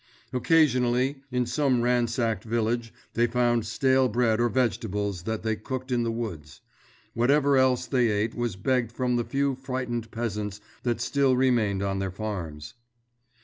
Occasionally, in some ransacked village they found stale bread or vegetables that they cooked in the woods; whatever else they ate was begged from the few frightened peasants that still remained on their farms.